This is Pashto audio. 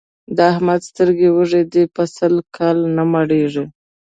د احمد سترګې وږې دي؛ په سل کاله نه مړېږي.